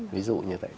ví dụ như vậy